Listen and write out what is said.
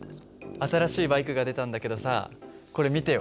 新しいバイクが出たんだけどさこれ見てよ